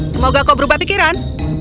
semoga kau berubah pikiran